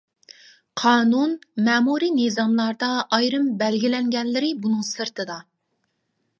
قانۇن، مەمۇرىي نىزاملاردا ئايرىم بەلگىلەنگەنلىرى بۇنىڭ سىرتىدا.